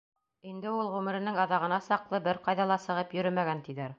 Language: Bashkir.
Инде ул ғүмеренең аҙағына саҡлы бер ҡайҙа ла сығып йөрөмәгән, тиҙәр.